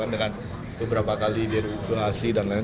dengan beberapa kali deregulasi dan lain lain